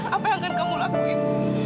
apa yang akan kamu lakuin